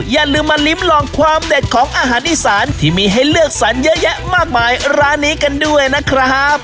อย่าลืมมาลิ้มลองความเด็ดของอาหารอีสานที่มีให้เลือกสรรเยอะแยะมากมายร้านนี้กันด้วยนะครับ